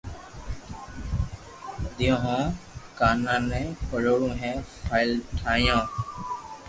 ديئو ھين ڪانا ني پڙاويو ھين قابل ٺايو